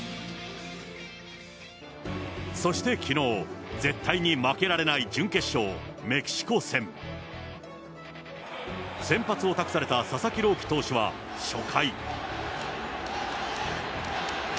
そしてきのう、絶対に負けられない準決勝、メキシコ戦。先発を託された佐々木朗希投手は初回。